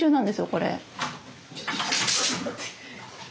これ。